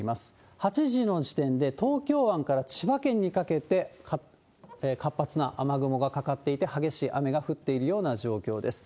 ８時の時点で東京湾から千葉県にかけて活発な雨雲がかかっていて、激しい雨が降っているような状況です。